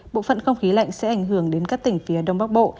bộ phận không khí lạnh sẽ ảnh hưởng đến các tỉnh phía đông bắc bộ